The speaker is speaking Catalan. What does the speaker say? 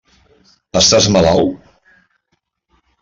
Estàs malalt?